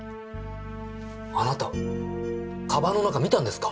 あなた鞄の中見たんですか！？